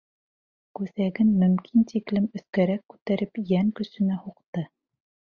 Күҫәген мөмкин тиклем өҫкәрәк күтәреп, йән көсөнә һуҡты.